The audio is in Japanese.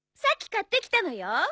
さっき買ってきたのよ。